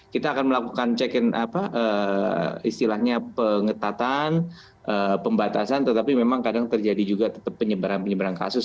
kita akan melakukan check in apa istilahnya pengetatan pembatasan tetapi memang kadang terjadi juga tetap penyebaran penyebaran kasus